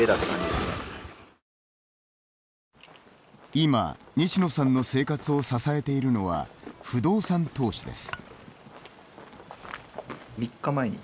今、西野さんの生活を支えているのは不動産投資です。